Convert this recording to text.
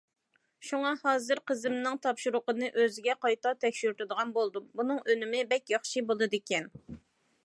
شۇڭا، ھازىر قىزىمنىڭ تاپشۇرۇقىنى ئۆزىگە قايتا تەكشۈرتىدىغان بولدۇم، بۇنىڭ ئۈنۈمى بەك ياخشى بولىدىكەن.